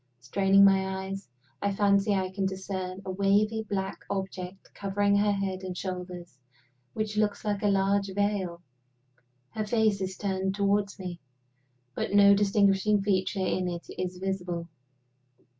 Straining my eyes, I fancy I can discern a wavy black object covering her head and shoulders which looks like a large veil. Her face is turned toward me, but no distinguishing feature in it is visible.